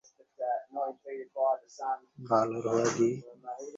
তিনি জীবনের বেশিরভাগ অংশ ইংল্যান্ডে কাটান এবং লেখালেখিতে ইংরেজি ব্যবহার করেন।